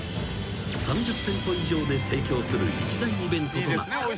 ［３０店舗以上で提供する一大イベントとなった］